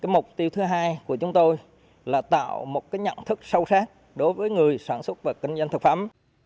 mục tiêu thứ hai của chúng tôi là tạo một nhận thức sâu sát đối với người sản xuất và kinh doanh thực phẩm